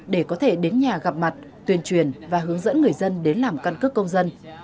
để có thể đến nhà gặp mặt tuyên truyền và hướng dẫn người dân đến làm căn cước công dân